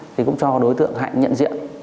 thì cũng cho đối tượng hãy nhận diện